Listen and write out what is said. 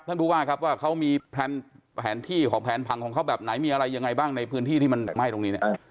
ผู้ว่าครับว่าเขามีแผนที่ของแผนพังของเขาแบบไหนมีอะไรยังไงบ้างในพื้นที่ที่มันไหม้ตรงนี้เนี่ย